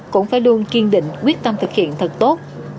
cũng phải luôn kiên định quyết tâm thực hiện thật tốt